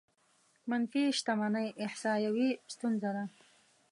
منفي شتمنۍ احصايوي ستونزه ده.